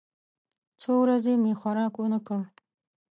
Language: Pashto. څو ورځې مې خوراک ونه کړ.